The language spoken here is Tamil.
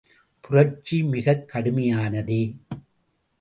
புரட்சி மிகக் கடுமையானதே!